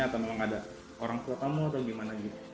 atau memang ada orang tua kamu atau gimana gitu